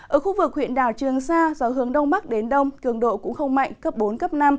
ở khu vực huyện đảo trường sa gió hướng đông bắc đến đông cường độ cũng không mạnh cấp bốn cấp năm